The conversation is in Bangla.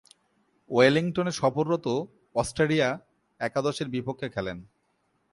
ওয়েলিংটনে সফররত অস্ট্রেলিয়া একাদশের বিপক্ষে খেলেন।